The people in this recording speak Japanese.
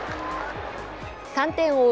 ３点を追う